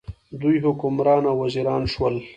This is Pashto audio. دوی حکمران او وزیران شول.